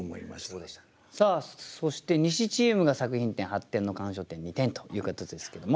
さあそして西チームが作品点８点の鑑賞点２点ということですけども。